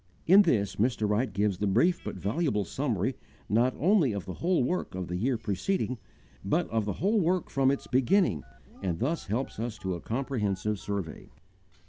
In this, Mr. Wright gives the brief but valuable summary not only of the whole work of the year preceding, but of the whole work from its beginning, and thus helps us to a comprehensive survey.